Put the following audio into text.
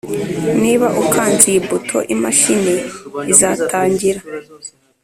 niba ukanze iyi buto, imashini izatangira.